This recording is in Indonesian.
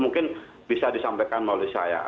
mungkin bisa disampaikan melalui saya